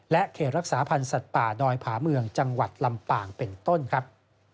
เขตรักษาพันธ์สัตว์ป่าดอยผาเมืองจังหวัดลำปางเป็นต้นครับ